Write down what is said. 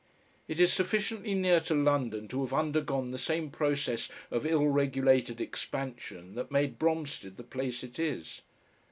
It is sufficiently near to London to have undergone the same process of ill regulated expansion that made Bromstead the place it is.